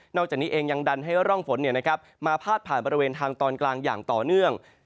จากนี้เองยังดันให้ร่องฝนมาพาดผ่านบริเวณทางตอนกลางอย่างต่อเนื่อง